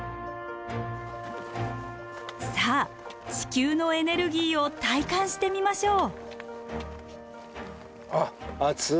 さあ地球のエネルギーを体感してみましょう！